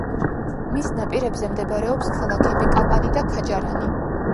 მის ნაპირებზე მდებარეობს ქალაქები: კაპანი და ქაჯარანი.